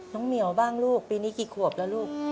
เหมียวบ้างลูกปีนี้กี่ขวบแล้วลูก